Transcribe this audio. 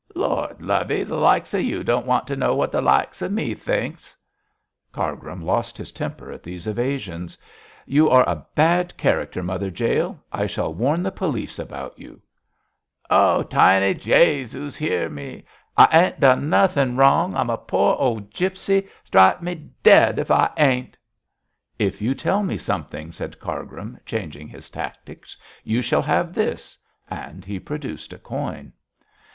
'Lord, lovey! the likes of you don't want to know what the likes of me thinks.' Cargrim lost his temper at these evasions. 'You are a bad character, Mother Jael. I shall warn the police about you.' 'Oh, tiny Jesius, hear him! I ain't done nothing wrong. I'm a pore old gipsy; strike me dead if I ain't.' 'If you tell me something,' said Cargrim, changing his tactics, 'you shall have this,' and he produced a coin.